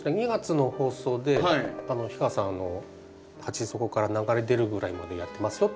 ２月の放送で氷川さん鉢底から流れ出るぐらいまでやってます